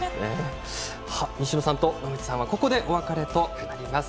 西野さんと野口さんはここでお別れとなります。